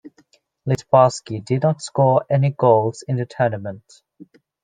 Littbarski did not score any goals in the tournament.